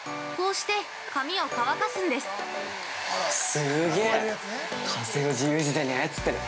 ◆すげぇ風を自由自在に操ってる！